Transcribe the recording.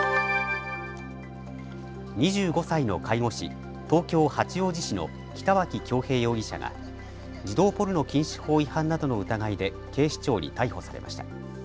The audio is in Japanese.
２５歳の介護士、東京八王子市の北脇恭平容疑者が児童ポルノ禁止法違反などの疑いで警視庁に逮捕されました。